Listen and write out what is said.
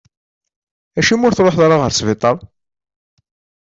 Acimi ur truḥeḍ ara ɣer sbiṭar?